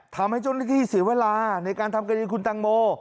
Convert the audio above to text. ทำให้จนที่สิ้นเวลาในการทำคดีคุณตังโม